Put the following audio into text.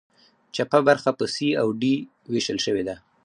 چپه برخه په سي او ډي ویشل شوې ده.